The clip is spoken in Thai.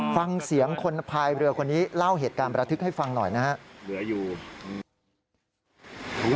ฟังเสียงคนพายเรือคนนี้เล่าเหตุการณ์ประทึกให้ฟังหน่อยนะครับ